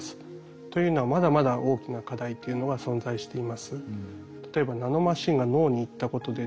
というのはまだまだ大きな課題というのが存在しています。